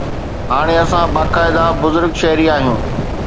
هاڻي اسان باقاعده بزرگ شهري آهيون.